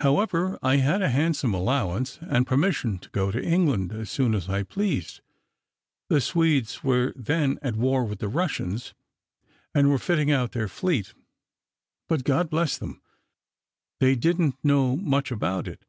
However, I had a handsome allowance, and permission to go to England as soon as I pleased. The Swedes were then at war with the Russians, and were fitting out their fleet; but, Lord bless them! they didn't know much about it.